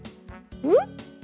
「うん？」。